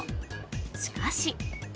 しかし。